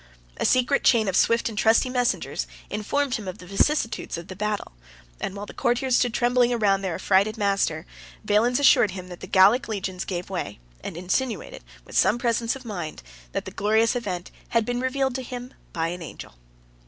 A secret chain of swift and trusty messengers informed him of the vicissitudes of the battle; and while the courtiers stood trembling round their affrighted master, Valens assured him that the Gallic legions gave way; and insinuated with some presence of mind, that the glorious event had been revealed to him by an angel.